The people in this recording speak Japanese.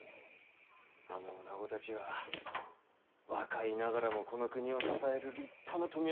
あのおなごたちは若いながらもこの国を支える立派な富岡工女だい。